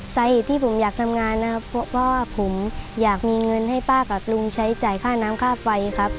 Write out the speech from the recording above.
สาเหตุที่ผมอยากทำงานนะครับเพราะว่าผมอยากมีเงินให้ป้ากับลุงใช้จ่ายค่าน้ำค่าไฟครับ